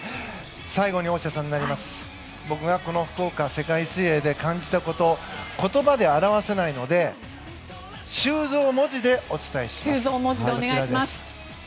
最後に大下さん僕が福岡世界水泳で感じたこと言葉で表せないので修造文字でお伝えします。